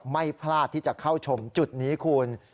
ไม่พลาดที่จะเข้าชมจุดนี้คุณ